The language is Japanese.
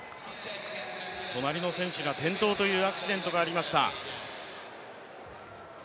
隣の選手が転倒というアクシデントがありました。